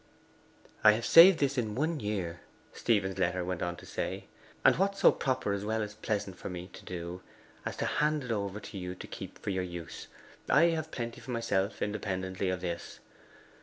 'I have saved this in one year,' Stephen's letter went on to say, 'and what so proper as well as pleasant for me to do as to hand it over to you to keep for your use? I have plenty for myself, independently of this.